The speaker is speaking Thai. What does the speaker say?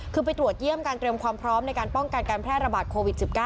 คือไปตรวจเยี่ยมการเตรียมความพร้อมในการป้องกันการแพร่ระบาดโควิด๑๙